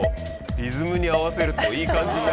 リズムに合わせるといい感じになるね。